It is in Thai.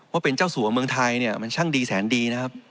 ว่าเป็นเจ้าสู่ะเมืองไทยมันช่างดีแสนดี